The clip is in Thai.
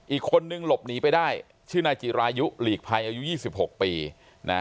อีกคนนึงหลบหนีไปได้ชื่อนายจิรายุหลีกภัยอายุ๒๖ปีนะ